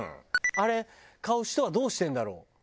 あれ買う人はどうしてるんだろう？